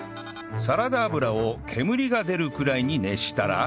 サラダ油を煙が出るくらいに熱したら